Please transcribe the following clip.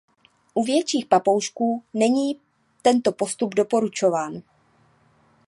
U větších papoušků není tento postup doporučován.